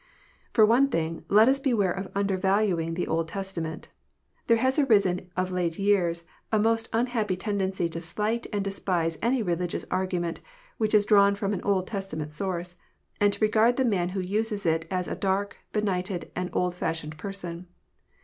For one thing, let us beware of under valuing the Old Testa ment. There has arisen of late years a most unhappy ten dency to slight and despise any religious argument which is drawn from an Old Testament source, and to regard the man who uses it as a dark, benighted, and old fashioned person.